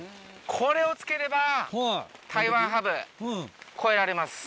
これを着ければタイワンハブ超えられます。